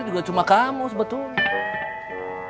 juga cuma kamu sebetulnya